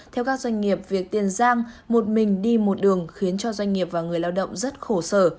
theo các doanh nghiệp việc tiền giang một mình đi một đường khiến cho doanh nghiệp và người lao động rất khổ sở